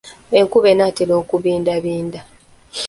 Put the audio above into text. Enkuba enaatera okubindabinda.